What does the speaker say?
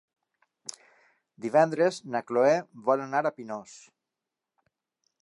Divendres na Cloè vol anar a Pinós.